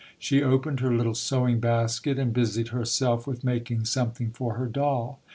She opened her little sewing basket and busied herself with making something for her doll.